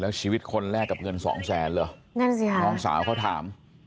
แล้วชีวิตคนแรกกับเงินสองแสนเหรอน้องสาวเขาถาม